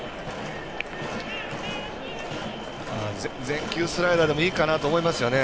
全球スライダーでもいいかなと思いますよね。